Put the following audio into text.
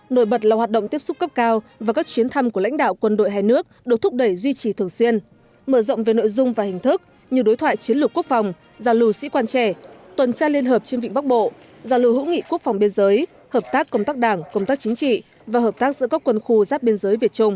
nổi bật là hoạt động tiếp xúc cấp cao và các chuyến thăm của lãnh đạo quân đội hai nước được thúc đẩy duy trì thường xuyên mở rộng về nội dung và hình thức như đối thoại chiến lược quốc phòng giao lưu sĩ quan trẻ tuần tra liên hợp trên vịnh bắc bộ giao lưu hữu nghị quốc phòng biên giới hợp tác công tác đảng công tác chính trị và hợp tác giữa các quân khu giáp biên giới việt trung